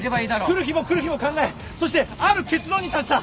来る日も来る日も考えそしてある結論に達した。